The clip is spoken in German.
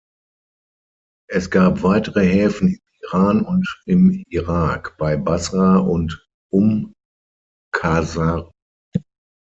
Es gab weitere Häfen im Iran und im Irak bei Basra und Umm Qasr.